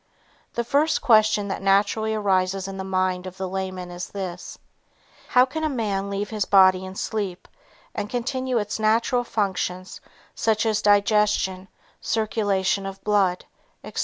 The first question that naturally arises in the mind of the layman is this: How can a man leave his body in sleep and continue its natural functions such as digestion, circulation of blood, etc.